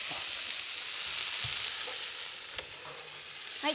はい。